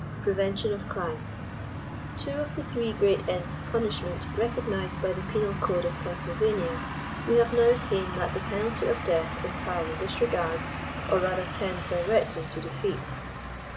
PREVENTION OF CRIME. Two of the three great ends of punishment recognised by the penal code of Pennsylvania, we have now seen that the penalty of death entirely disregards, or rather tends directly to defeat.